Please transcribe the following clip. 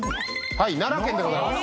はい奈良県でございます。